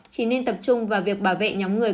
chỉ nên tập trung vào việc bảo vệ nhóm người